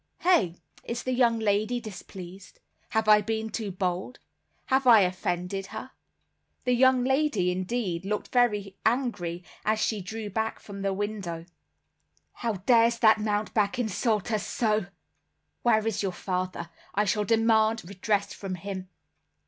Hey? Is the young lady displeased? Have I been too bold? Have I offended her?" The young lady, indeed, looked very angry as she drew back from the window. "How dares that mountebank insult us so? Where is your father? I shall demand redress from him.